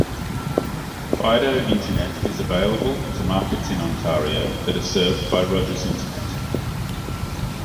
Fido internet is available to markets in Ontario that are served by Rogers' internet.